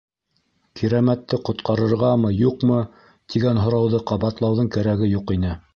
«Кирәмәтте ҡотҡарырғамы, юҡмы?» - тигән һорауҙы ҡабатлауҙың кәрәге юҡ ине.